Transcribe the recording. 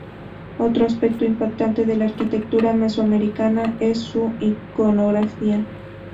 Otro aspecto impactante de la arquitectura mesoamericana es su iconografía.